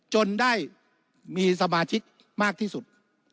จนได้มีสมาชิกมากที่สุด